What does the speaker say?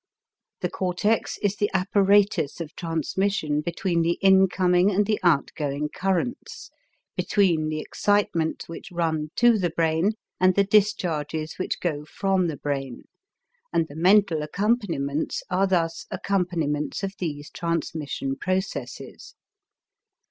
The cortex is the apparatus of transmission between the incoming and the outgoing currents, between the excitements which run to the brain and the discharges which go from the brain, and the mental accompaniments are thus accompaniments of these transmission processes.